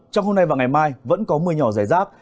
trong hôm nay và ngày mai vẫn có mưa nhỏ rải rác